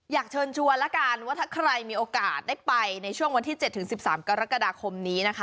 อยากเชิญชวนแล้วกันว่าถ้าใครมีโอกาสได้ไปในช่วงวันที่๗๑๓กรกฎาคมนี้นะคะ